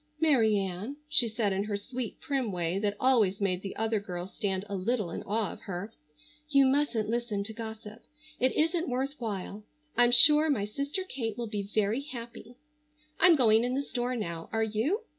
"Mary Ann," she said in her sweet, prim way that always made the other girl stand a little in awe of her, "you mustn't listen to gossip. It isn't worth while. I'm sure my sister Kate will be very happy. I'm going in the store now, are you?"